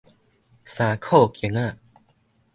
衫褲弓仔